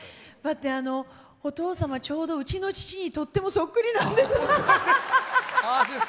お父様、ちょうどうちの父にとってもそっくりなんです。